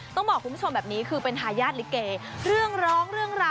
ต้องบอกคุณผู้ชมแบบนี้คือเป็นทายาทลิเก